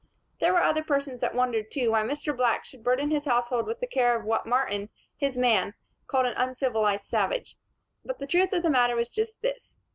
There were other persons that wondered, too, why Mr. Black should burden his household with the care of what Martin, his man, called an uncivilized savage; but the truth of the matter was just this.